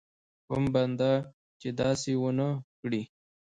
کوم بنده چې داسې ونه کړي.